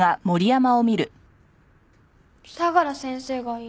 相良先生がいい。